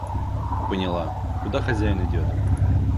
Поняла, куда хозяин идет!